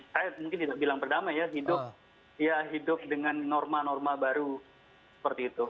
saya mungkin tidak bilang pertama ya hidup dengan norma norma baru seperti itu